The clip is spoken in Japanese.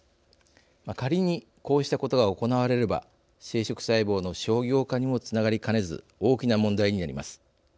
仮にこうしたことが行われれば生殖細胞の商業化にもつながりかねず大きな問題になります。